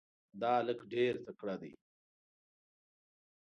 دا هلک ډېر تکړه ده.